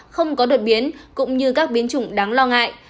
không có đột biến cũng như các biến chủng đáng lo ngại